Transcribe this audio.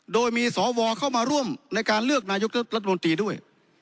โดยมีสวเข้ามาร่วมในการเลือกนายกรัฐมนตรีด้วย